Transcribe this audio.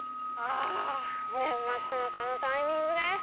あぁ年末のこのタイミングで？